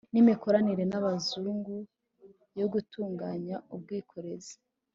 n imikoranire n abazungu yo gutunganya ubwikorezi